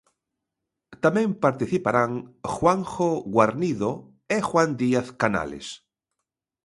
Tamén participarán Juanjo Guarnido e Juan Díaz Canales.